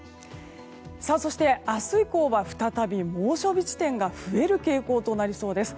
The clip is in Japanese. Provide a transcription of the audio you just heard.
そして、明日以降は再び猛暑日地点が増える傾向となりそうです。